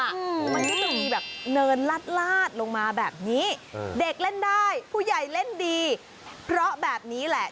มันก็จะมีแบบเนินลาดลาดลงมาแบบนี้เด็กเล่นได้ผู้ใหญ่เล่นดีเพราะแบบนี้แหละ